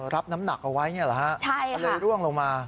รับน้ำหนักเอาไว้เนี่ยเหรอฮะมันเลยร่วงลงมา